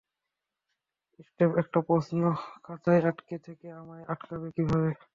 স্রেফ একটা প্রশ্ন, খাঁচায় আটকে থেকে আমায় আটকাবে কীভাবে?